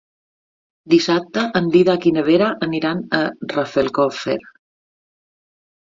Dissabte en Dídac i na Vera aniran a Rafelcofer.